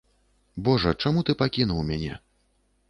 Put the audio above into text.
Божа, чаму ты пакінуў мяне?